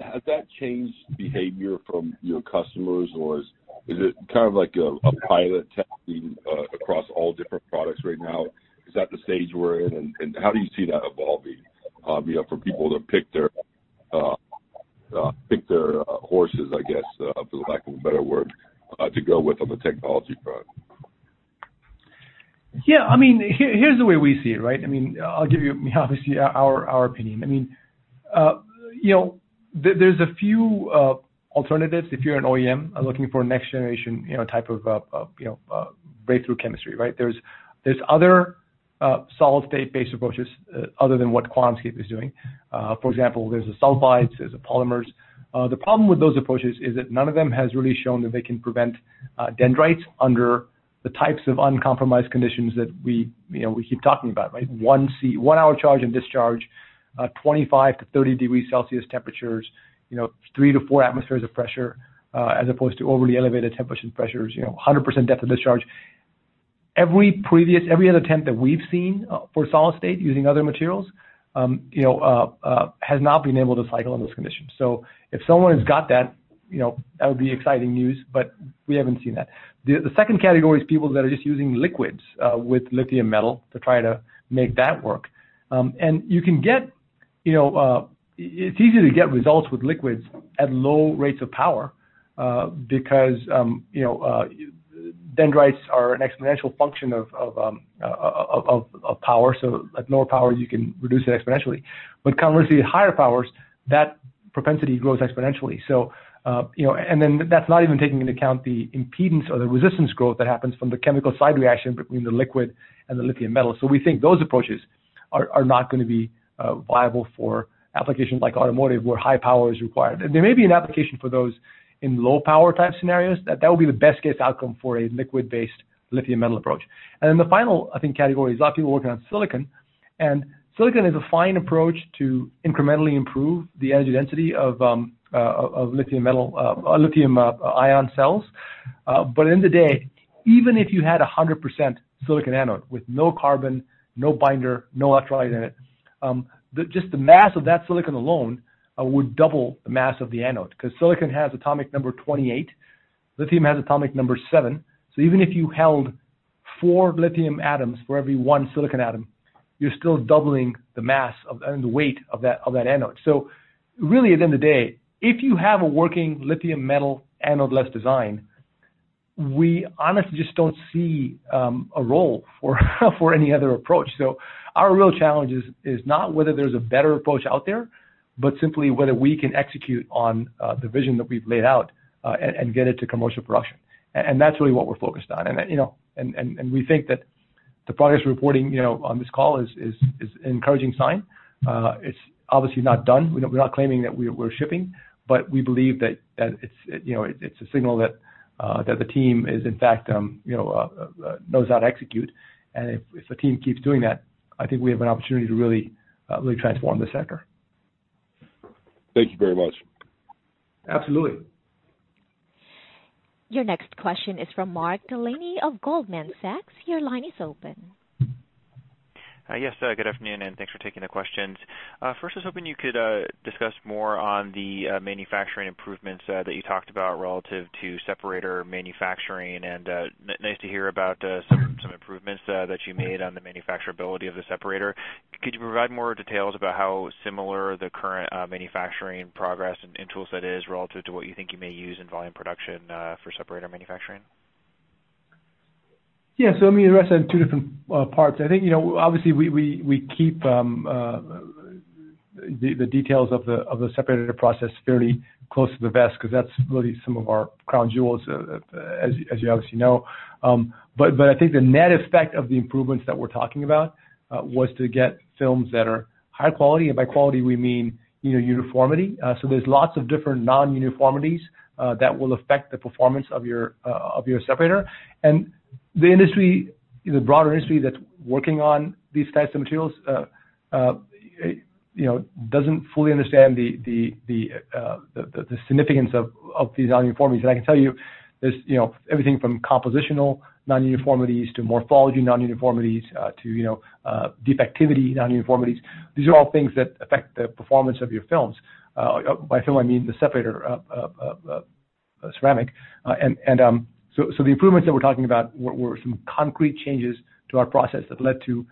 has that changed behavior from your customers, or is it kind of like a pilot testing across all different products right now? Is that the stage we're in, and how do you see that evolving for people to pick their horses, I guess, for lack of a better word, to go with on the technology front? Here's the way we see it. I'll give you, obviously, our opinion. There's a few alternatives if you're an OEM looking for a next generation type of breakthrough chemistry. There's other solid-state-based approaches other than what QuantumScape is doing. For example, there's the sulfides, there's the polymers. The problem with those approaches is that none of them has really shown that they can prevent dendrites under the types of uncompromised conditions that we keep talking about. One hour charge and discharge, 25-30 degrees Celsius temperatures, three to four atmospheres of pressure as opposed to overly elevated temperature and pressures, 100% depth of discharge. Every other attempt that we've seen for solid state using other materials has not been able to cycle in those conditions. If someone has got that would be exciting news, but we haven't seen that. The second category is people that are just using liquids with lithium metal to try to make that work. It's easy to get results with liquids at low rates of power because dendrites are an exponential function of power. So at no power you can reduce exponentially. Conversely, at higher powers, that propensity grows exponentially. That's not even taking into account the impedance or the resistance growth that happens from the chemical side reaction between the liquid and the lithium metal. We think those approaches are not going to be viable for applications like automotive where high power is required. There may be an application for those in low power type scenarios. That would be the best-case outcome for a liquid-based lithium metal approach. Then the final, I think, category is a lot of people working on silicon, and silicon is a fine approach to incrementally improve the energy density of lithium-ion cells. End of the day, even if you had 100% silicon anode with no carbon, no binder, no electrolyte in it, just the mass of that silicon alone would double the mass of the anode because silicon has atomic number 28, lithium has atomic number seven. Even if you held four lithium atoms for every one silicon atom, you're still doubling the mass and the weight of that anode. Really, at the end of the day, if you have a working lithium metal anode-less design, we honestly just don't see a role for any other approach. Our real challenge is not whether there's a better approach out there, but simply whether we can execute on the vision that we've laid out and get it to commercial production. That's really what we're focused on. We think that the progress we're reporting on this call is an encouraging sign. It's obviously not done. We're not claiming that we're shipping, but we believe that it's a signal that the team is in fact, knows how to execute. If the team keeps doing that, I think we have an opportunity to really transform the sector. Thank you very much. Absolutely. Your next question is from Mark Delaney of Goldman Sachs. Your line is open. Yes, good afternoon. Thanks for taking the questions. First, I was hoping you could discuss more on the manufacturing improvements that you talked about relative to separator manufacturing. Nice to hear about some improvements that you made on the manufacturability of the separator. Could you provide more details about how similar the current manufacturing progress and tool set is relative to what you think you may use in volume production for separator manufacturing? Yeah. Let me address that in two different parts. I think, obviously, we keep the details of the separator process fairly close to the vest because that's really some of our crown jewels, as you obviously know. I think the net effect of the improvements that we're talking about was to get films that are high quality. By quality, we mean uniformity. There's lots of different non-uniformities that will affect the performance of your separator. The industry, the broader industry that's working on these types of materials doesn't fully understand the significance of these non-uniformities. I can tell you, there's everything from compositional non-uniformities to morphology non-uniformities, to defectivity non-uniformities. These are all things that affect the performance of your films. By film, I mean the separator ceramic. The improvements that we're talking about were some concrete changes to our process that led to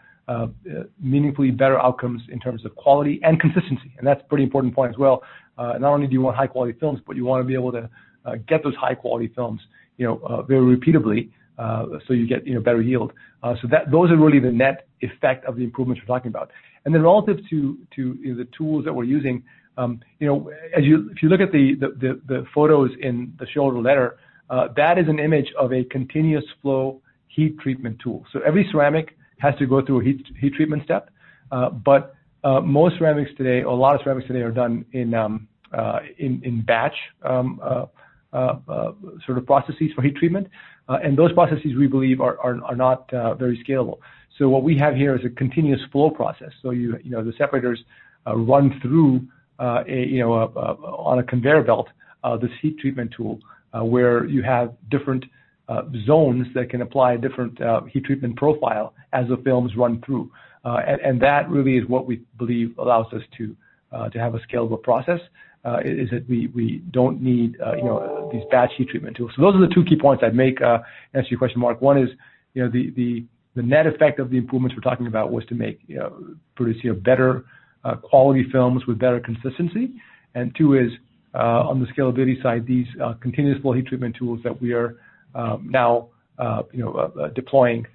meaningfully better outcomes in terms of quality and consistency, and that's a pretty important point as well. Not only do you want high-quality films, but you want to be able to get those high-quality films very repeatably, so you get better yield. Those are really the net effect of the improvements we're talking about. Then relative to the tools that we're using, if you look at the photos in the shareholder letter, that is an image of a continuous flow heat treatment tool. Every ceramic has to go through a heat treatment step. Most ceramics today, or a lot of ceramics today, are done in batch processes for heat treatment. Those processes, we believe, are not very scalable. What we have here is a continuous flow process. The separators run through on a conveyor belt, this heat treatment tool, where you have different zones that can apply a different heat treatment profile as the films run through. That really is what we believe allows us to have a scalable process, is that we don't need these batch heat treatment tools. Those are the two key points I'd make to answer your question, Mark. One is the net effect of the improvements we're talking about was to produce better quality films with better consistency. Two is, on the scalability side, these continuous flow heat treatment tools that we are now deploying,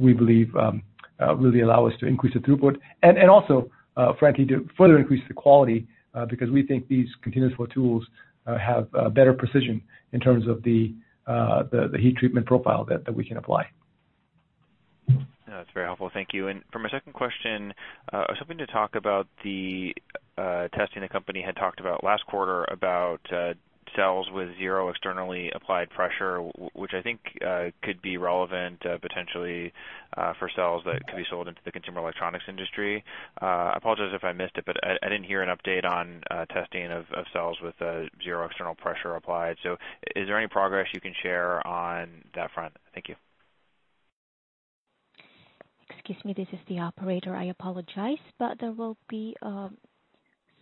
we believe really allow us to increase the throughput and also, frankly, to further increase the quality, because we think these continuous flow tools have better precision in terms of the heat treatment profile that we can apply. That's very helpful. Thank you. For my second question, I was hoping to talk about the testing the company had talked about last quarter about cells with zero externally applied pressure, which I think could be relevant potentially for cells that could be sold into the consumer electronics industry. I apologize if I missed it, but I didn't hear an update on testing of cells with zero external pressure applied. Is there any progress you can share on that front? Thank you. Excuse me, this is the operator. I apologize, but there will be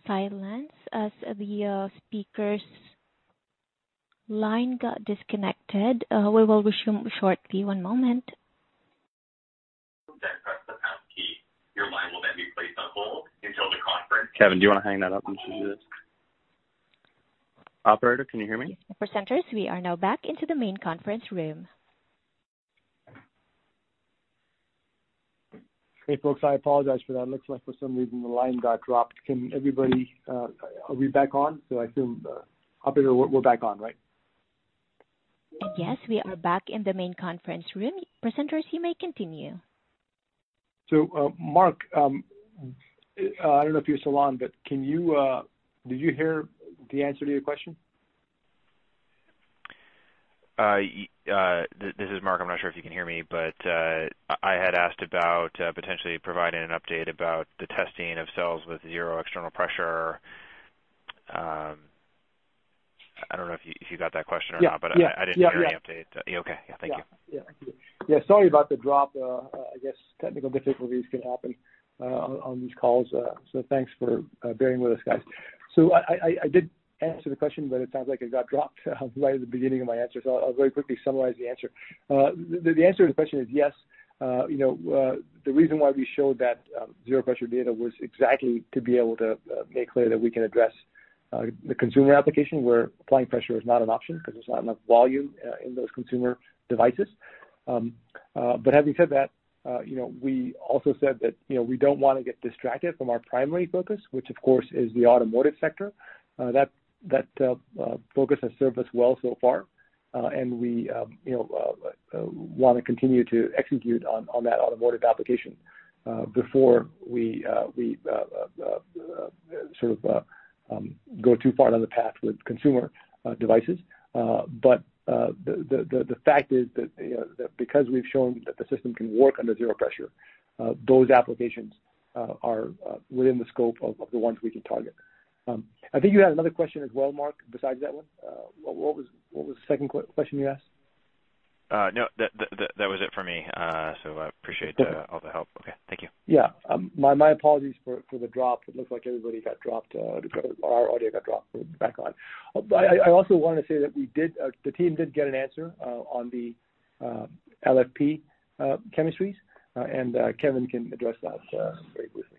silence as the speaker's line got disconnected. We will resume shortly. One moment. Then press the pound key. Your line will then be placed on hold until the conference- Kevin, do you want to hang that up until he does? Operator, can you hear me? Presenters, we are now back into the main conference room. Hey, folks, I apologize for that. Looks like for some reason the line got dropped. Are we back on? I assume, operator, we're back on, right? Yes, we are back in the main conference room. Presenters, you may continue. Mark, I don't know if you're still on, but did you hear the answer to your question? This is Mark. I'm not sure if you can hear me, I had asked about potentially providing an update about the testing of cells with zero external pressure. I don't know if you got that question or not? Yeah. I didn't hear any update. Yeah. Okay. Yeah, thank you. Thank you. Sorry about the drop. I guess technical difficulties can happen on these calls. Thanks for bearing with us, guys. I did answer the question, but it sounds like it got dropped right at the beginning of my answer. I'll very quickly summarize the answer. The answer to the question is yes. The reason why we showed that zero pressure data was exactly to be able to make clear that we can address the consumer application where applying pressure is not an option, because there's not enough volume in those consumer devices. Having said that, we also said that we don't want to get distracted from our primary focus, which of course is the automotive sector. That focus has served us well so far. We want to continue to execute on that automotive application before we go too far down the path with consumer devices. The fact is that because we've shown that the system can work under zero pressure, those applications are within the scope of the ones we can target. I think you had another question as well, Mark, besides that one. What was the second question you asked? No, that was it for me. I appreciate all the help. Okay. Thank you. My apologies for the drop. It looks like everybody got dropped, our audio got dropped, but we're back on. I also want to say that the team did get an answer on the LFP chemistries, and Kevin can address that very briefly.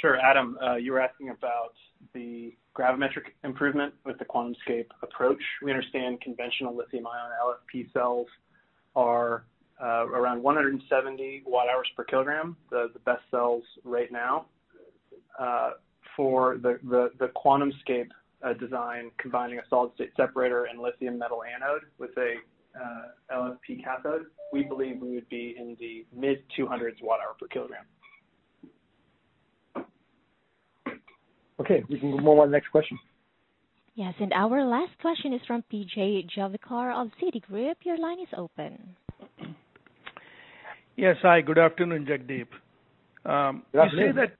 Sure. Adam, you were asking about the gravimetric improvement with the QuantumScape approach. We understand conventional lithium-ion LFP cells are around 170 Wh/kg, the best cells right now. For the QuantumScape design, combining a solid-state separator and lithium metal anode with an LFP cathode, we believe we would be in the mid 200s Wh/kg. Okay, we can move on to the next question. Yes, our last question is from PJ Juvekar of Citigroup. Your line is open. Yes, hi. Good afternoon, Jagdeep. Good afternoon.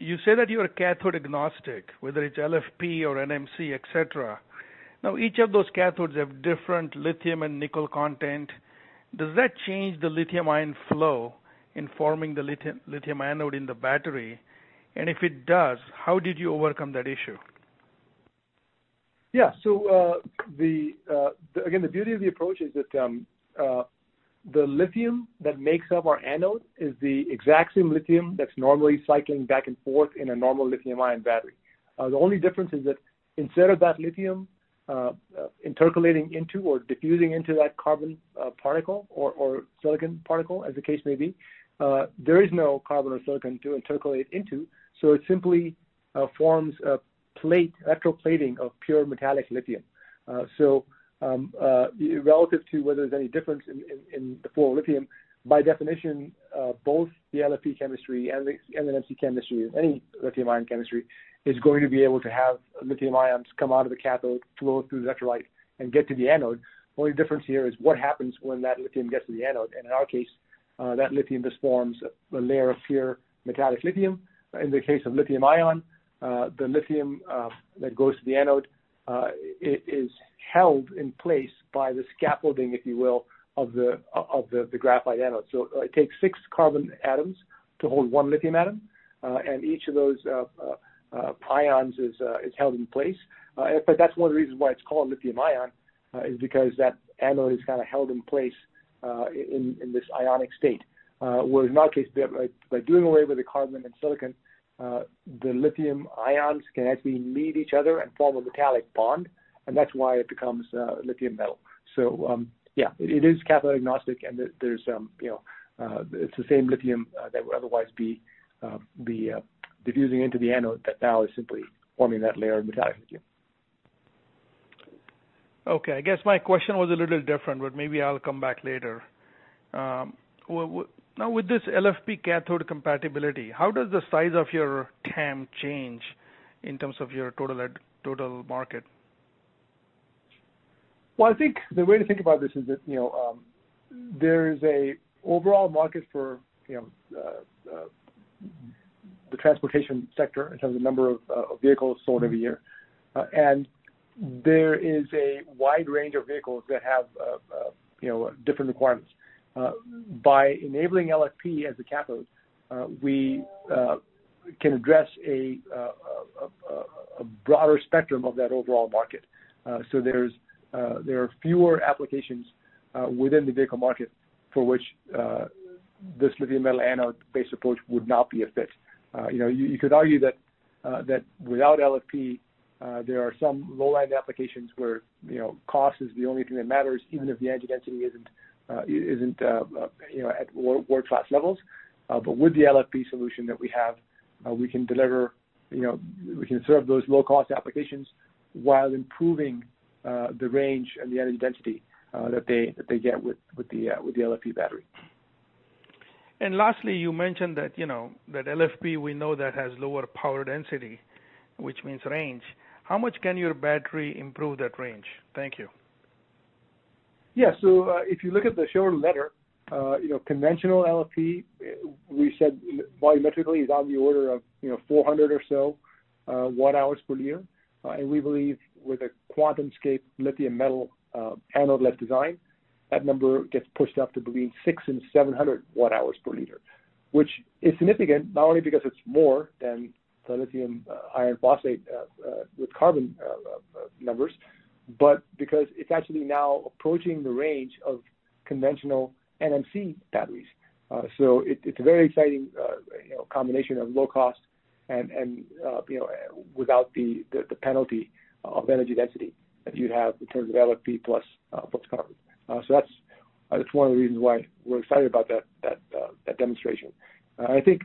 You say that you are cathode agnostic, whether it's LFP or NMC, et cetera. Each of those cathodes have different lithium and nickel content. Does that change the lithium-ion flow in forming the lithium anode in the battery? If it does, how did you overcome that issue? Again, the beauty of the approach is that the lithium that makes up our anode is the exact same lithium that's normally cycling back and forth in a normal lithium-ion battery. The only difference is that instead of that lithium intercalating into or diffusing into that carbon particle or silicon particle, as the case may be, there is no carbon or silicon to intercalate into, so it simply forms an electroplating of pure metallic lithium. Relative to whether there's any difference in the flow of lithium, by definition, both the LFP chemistry and the NMC chemistry with any lithium-ion chemistry, is going to be able to have lithium ions come out of the cathode, flow through the electrolyte and get to the anode. Only difference here is what happens when that lithium gets to the anode, and in our case, that lithium just forms a layer of pure metallic lithium. In the case of lithium-ion, the lithium that goes to the anode is held in place by the scaffolding, if you will, of the graphite anode. It takes six carbon atoms to hold one lithium atom, and each of those ions is held in place. In fact, that's one of the reasons why it's called lithium ion, is because that anode is kind of held in place in this ionic state. Whereas in our case, by doing away with the carbon and silicon, the lithium ions can actually meet each other and form a metallic bond. That's why it becomes lithium metal. Yeah, it is cathode agnostic, and it's the same lithium that would otherwise be diffusing into the anode that now is simply forming that layer of metallic lithium. Okay. I guess my question was a little different, but maybe I'll come back later. With this LFP cathode compatibility, how does the size of your TAM change in terms of your total market? I think the way to think about this is that there is a overall market for the transportation sector in terms of the number of vehicles sold every year. There is a wide range of vehicles that have different requirements. By enabling LFP as a cathode, we can address a broader spectrum of that overall market. There are fewer applications within the vehicle market for which this lithium metal anode-based approach would not be a fit. You could argue that without LFP, there are some low-line applications where cost is the only thing that matters, even if the energy density isn't at world-class levels. With the LFP solution that we have, we can serve those low-cost applications while improving the range and the energy density that they get with the LFP battery. Lastly, you mentioned that LFP, we know that has lower power density, which means range. How much can your battery improve that range? Thank you. Yeah. If you look at the shown letter, conventional LFP, we said volumetrically is on the order of 400 or so watt hours per liter. We believe with a QuantumScape lithium metal anode design, that number gets pushed up to between 600 Wh/kg and 700 Wh/kg. Which is significant, not only because it's more than the lithium iron phosphate with carbon numbers, but because it's actually now approaching the range of conventional NMC batteries. It's a very exciting combination of low cost and without the penalty of energy density that you'd have in terms of LFP plus carbon. That's one of the reasons why we're excited about that demonstration. I think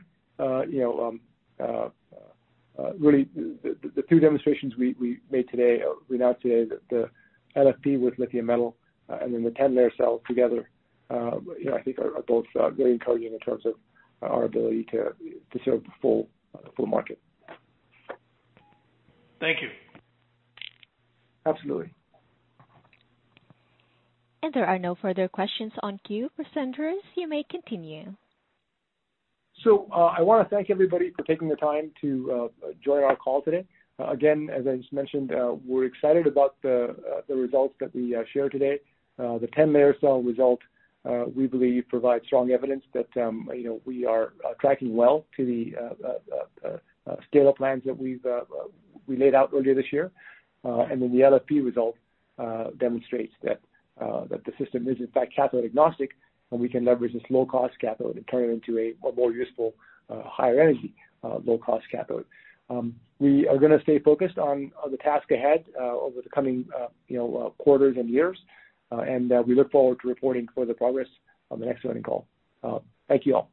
really the two demonstrations we announced today, the LFP with lithium metal and then the 10-layer cell together, I think are both very encouraging in terms of our ability to serve the full market. Thank you. Absolutely. There are no further questions on queue. Presenters, you may continue. I want to thank everybody for taking the time to join our call today. As I just mentioned, we're excited about the results that we shared today. The 10-layer cell result we believe provides strong evidence that we are tracking well to the scale-up plans that we laid out earlier this year. The LFP result demonstrates that the system is in fact cathode agnostic, and we can leverage this low-cost cathode and turn it into a more useful, higher energy, low-cost cathode. We are going to stay focused on the task ahead over the coming quarters and years. We look forward to reporting further progress on the next earning call. Thank you all.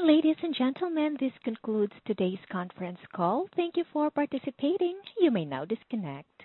Ladies and gentlemen, this concludes today's conference call. Thank you for participating. You may now disconnect.